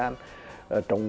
trồng vàng nghiệp